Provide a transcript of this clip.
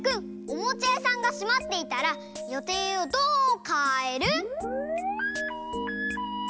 おもちゃやさんがしまっていたら予定をどうかえる？